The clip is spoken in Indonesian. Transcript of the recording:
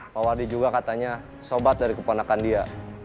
mawardi juga katanya sobat dari keponakan dia